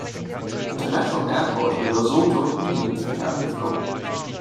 International Airport in Lesotho im Linienverkehr angeflogen.